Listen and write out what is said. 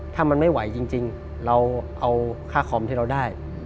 ถ้ามันไม่ไหวจริงเราเอาค่าคอมที่เราได้